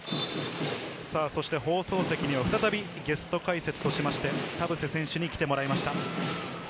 放送席には再びゲスト解説として田臥選手に来てもらいました。